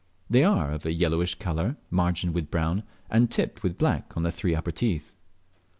They are of a yellowish colour, margined with brown, and tipped with black on the three upper teeth.